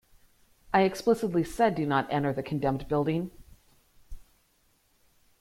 I explicitly said do not enter the condemned building.